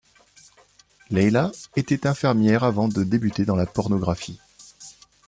Layla était infirmière avant de débuter dans la pornographie.